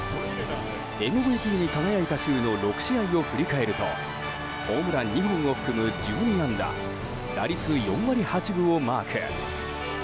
ＭＶＰに輝いた週の６試合を振り返るとホームラン２本を含む１２安打打率４割８分をマーク。